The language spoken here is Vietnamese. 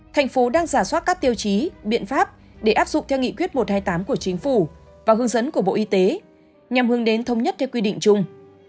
thành phố đang giả soát các tiêu chí biện pháp để áp dụng theo nghị quyết một trăm hai mươi tám của chính phủ và hướng dẫn của bộ y tế nhằm hướng đến thống nhất theo quy định chung